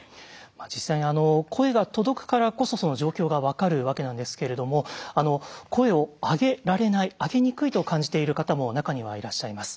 実際に声が届くからこそ状況が分かるわけなんですけれども声を上げられない上げにくいと感じている方も中にはいらっしゃいます。